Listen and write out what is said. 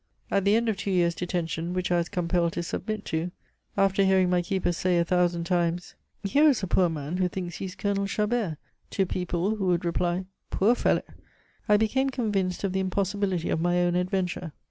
"At the end of two years' detention, which I was compelled to submit to, after hearing my keepers say a thousand times, 'Here is a poor man who thinks he is Colonel Chabert' to people who would reply, 'Poor fellow!' I became convinced of the impossibility of my own adventure.